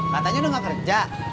katanya udah nggak kerja